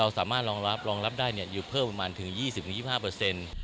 สามารถรองรับรองรับได้หยุดเพิ่มประมาณถึง๒๐๒๕เปอร์เซ็นต์